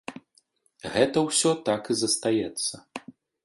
Гэта ўсё так і застаецца.